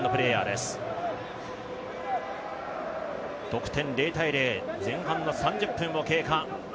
得点０−０、前半３０分を経過。